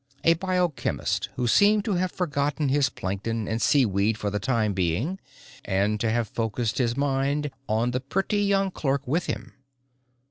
A biochemist, who seemed to have forgotten his plankton and seaweed for the time being and to have focussed his mind on the pretty young clerk with him.